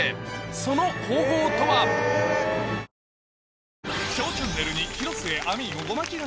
その方法とは？うわ！！